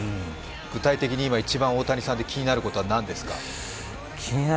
具体的に今、大谷さんで気になることは何ですか？